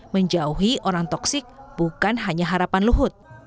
menjauhi orang toksik bukan hanya harapan luhut